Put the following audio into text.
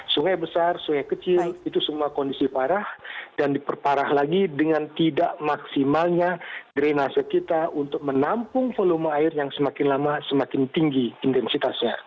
sungai besar sungai kecil itu semua kondisi parah dan diperparah lagi dengan tidak maksimalnya drenase kita untuk menampung volume air yang semakin lama semakin tinggi intensitasnya